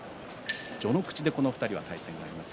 序ノ口でこの２人は対戦があります。